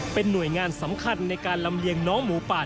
เป็นหน่วยงานสำคัญในการลำเลียงน้องหมูป่า